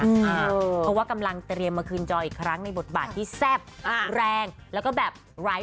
เพราะว่ากำลังเตรียมมาคืนจออีกครั้งในบทบาทที่แซ่บแรงแล้วก็แบบไร้